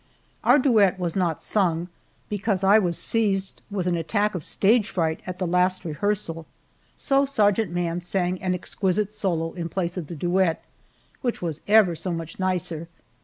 Our duet was not sung, because I was seized with an attack of stage fright at the last rehearsal, so Sergeant Mann sang an exquisite solo in place of the duet, which was ever so much nicer.